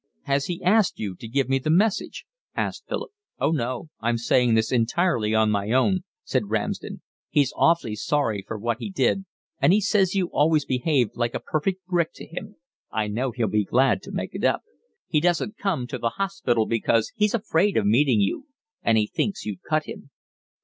"Has he asked you to give me the message?" asked Philip. "Oh, no. I'm saying this entirely on my own," said Ramsden. "He's awfully sorry for what he did, and he says you always behaved like a perfect brick to him. I know he'd be glad to make it up. He doesn't come to the hospital because he's afraid of meeting you, and he thinks you'd cut him."